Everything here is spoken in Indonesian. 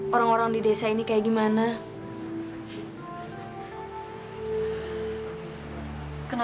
orang orang di desa ini kayak gimana